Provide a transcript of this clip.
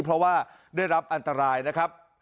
เพราะว่าได้รับอันตรายนะครับ